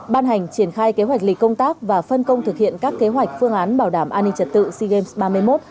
ban hành triển khai kế hoạch lịch công tác và phân công thực hiện các kế hoạch phương án bảo đảm an ninh trật tự sea games ba mươi một